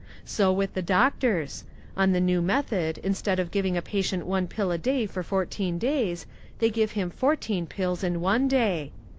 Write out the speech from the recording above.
So with the doctors. On the new method, instead of giving a patient one pill a day for fourteen days they give him fourteen pills in one day.